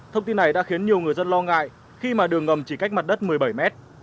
thông tin này đã khiến nhiều người dân lo ngại khi mà đường ngầm chỉ cách mặt đất một mươi bảy mét